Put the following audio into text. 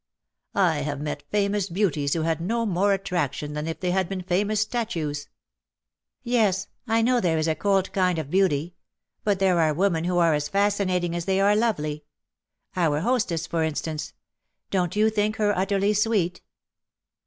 I have met famous beauties who had no more attraction than if they had been famous statues." " Yes ; I know there is a cold kind of beauty — but there are women who are as fascinating as they are lovely. Our hostess^ for instance — don^t you think her utterly sweet